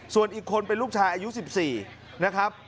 ส่วนอีกคนเป็นลูกชายอายุ๑๔นะครับ